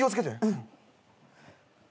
うん。